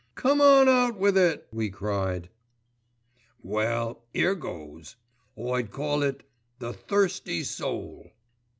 "Come on out with it," we cried. "Well, 'ere goes. I'd call it 'The Thirsty Soul.